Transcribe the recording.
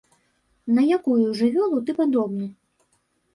На якую жывёлу ты падобны?